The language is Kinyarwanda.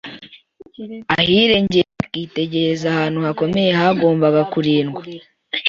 ahirengeye bakitegereza ahantu hakomeye hagombaga kurindwa,